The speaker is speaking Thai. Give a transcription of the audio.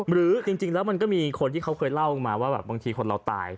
หรือจริงแล้วมันก็มีคนที่เขาเคยเล่ามาว่าแบบบางทีคนเราตาย